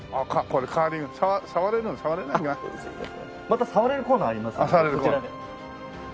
また触れるコーナーありますのでそちらで。